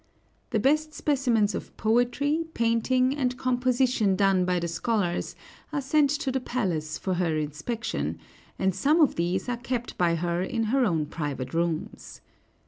The best specimens of poetry, painting, and composition done by the scholars are sent to the palace for her inspection, and some of these are kept by her in her own private rooms.